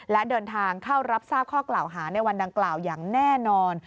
และเดินทางเข้ารับทราบข้อกล่าวหาในวันดังกล่าวอย่างแน่นอน